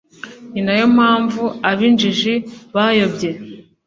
ni na yo mpamvu ab'injiji bayobye